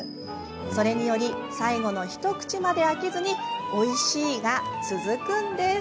それにより最後の一口まで飽きずにおいしいが続くんです。